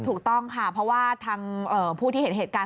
ถูกต้องค่ะเพราะว่าทางผู้ที่เห็นเหตุการณ์